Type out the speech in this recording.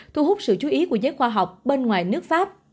thu hút sự chú ý của giới khoa học bên ngoài nước pháp